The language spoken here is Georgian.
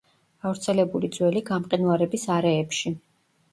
გავრცელებული ძველი გამყინვარების არეებში.